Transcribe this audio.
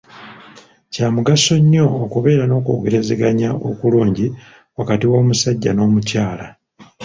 Kya mugaso nnyo okubeera n'okwogerezeganya okulungi wakati w'omusajja n'omukyala.